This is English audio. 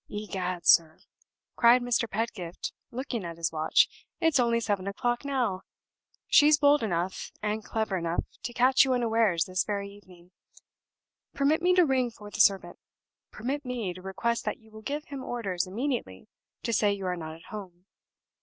Egad, sir!" cried Mr. Pedgift, looking at his watch, "it's only seven o'clock now. She's bold enough and clever enough to catch you unawares this very evening. Permit me to ring for the servant permit me to request that you will give him orders immediately to say you are not at home.